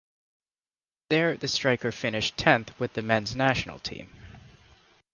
There the striker finished tenth with the Men's National Team.